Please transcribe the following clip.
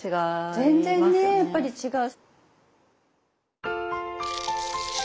全然ねやっぱり違う。